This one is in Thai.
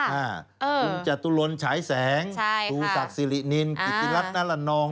อืมจตุรนฉายแสงตูศักดิ์ซิรินินปิติรัตน์นัลละนอง